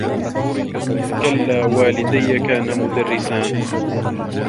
كلا والديّ كانا مدرّسان.